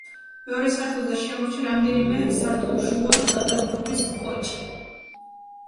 მეორე სართულზე შემორჩა რამდენიმე სართულშუა გადახურვის კოჭი.